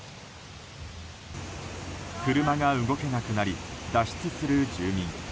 車が動けなくなり脱出する住民。